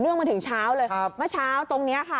มาถึงเช้าเลยเมื่อเช้าตรงนี้ค่ะ